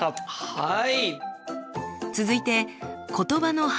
はい。